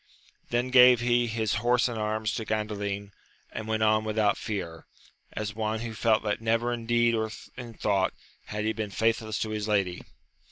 Then gave he his horse and arms to Gandalin, and went on without fear, as one who felt that never in deed or in thought had he been faithless to his lady.